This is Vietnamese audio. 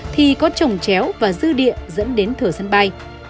thì có trồng chéo và dư địa dẫn đến thửa sân bay